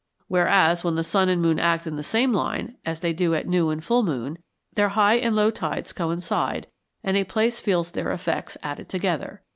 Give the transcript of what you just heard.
Whereas, when the sun and moon act in the same line (as they do at new and full moon), their high and low tides coincide, and a place feels their effects added together.